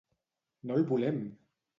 No el volem!